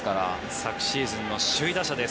昨シーズンの首位打者です。